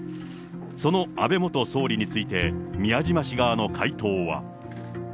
その安倍元総理について宮島氏側の回答は。